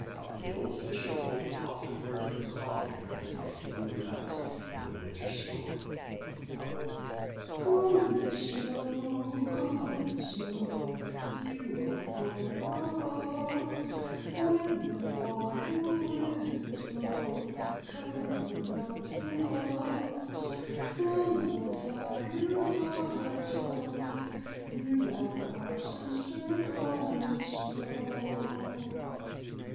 The old fisher folk often heard them calling her as they flew about in the winter storm: "Golden Snow! Golden Snow! You are one of us. When the wild winds blow, Come out to us From the fire light's glow. You are our sister, Golden Snow."